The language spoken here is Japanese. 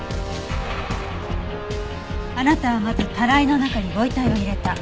あなたはまずタライの中にご遺体を入れた。